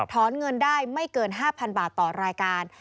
เงินได้ไม่เกิน๕๐๐๐บาทต่อรายการ